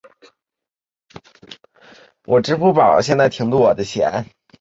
柴液机车成为营运主流。